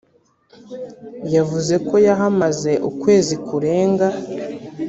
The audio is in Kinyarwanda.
yavuze ko yahamaze ukwezi kurenga